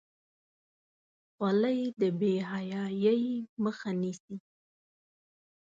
خولۍ د بې حیايۍ مخه نیسي.